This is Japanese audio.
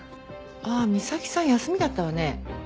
ああ三崎さん休みだったわね。